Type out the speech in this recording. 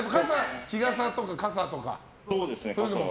日傘とか、傘とかも。